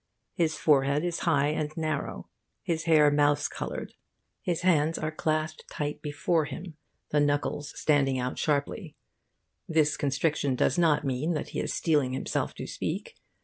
His forehead is high and narrow, his hair mouse coloured. His hands are clasped tight before him, the knuckles standing out sharply. This constriction does not mean that he is steeling himself to speak.